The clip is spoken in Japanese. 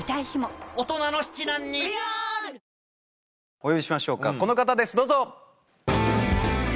お呼びしましょうかこの方ですどうぞ。